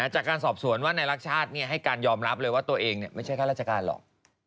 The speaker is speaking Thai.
จากการสอบสวนว่านายรักชาติให้การยอมรับเลยว่าตัวเองไม่ใช่ข้าราชการหรอก